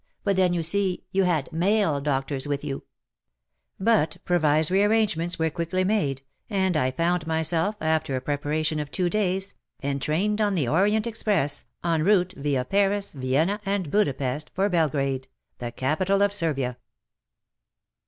but then, you see, you had male doctors with you !" But provisory arrangements were quickly made, and I found myself, after a preparation of two days, entrained on the Orient Express, en route via Paris, Vienna and Buda Pesth for Belgrade — the capital of Servia.